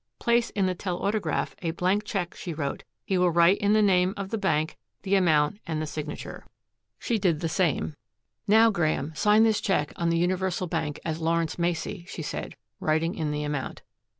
"Place in the telautograph a blank check," she wrote. "He will write in the name of the bank, the amount, and the signature." She did the same. "Now, Graeme, sign this cheek on the Universal Bank as Lawrence Macey," she said, writing in the amount.